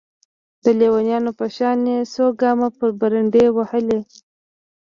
د ليونيانو په شان يې څو ګامه بره منډې وهلې.